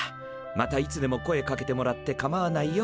またいつでも声かけてもらってかまわないよ。